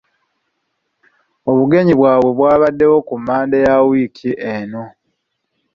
Obugenyi bwabwe bwabaddewo ku Mmande ya wiiki eno.